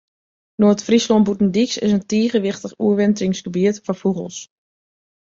Noard-Fryslân Bûtendyks is in tige wichtich oerwinteringsgebiet foar fûgels.